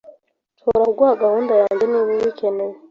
Nshobora kuguha gahunda yanjye niba ubikeneye.